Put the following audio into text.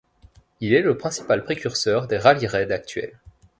Il est le principal précurseur des rallye-raids actuels.